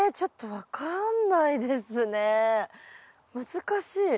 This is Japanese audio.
難しい。